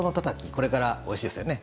これからおいしいですよね。